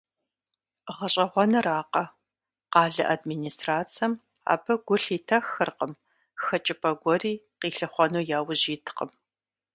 ГъэщӀэгъуэнракъэ, къалэ администрацэм абы гу лъитэххэркъым, хэкӀыпӀэ гуэри къилъыхъуэну яужь иткъым.